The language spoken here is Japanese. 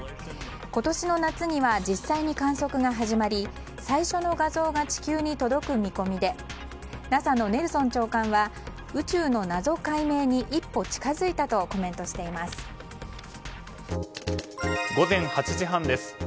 今年の夏には実際に観測が始まり最初の画像が地球に届く見込みでＮＡＳＡのネルソン長官は宇宙の謎解明に一歩近づいたとコメントしています。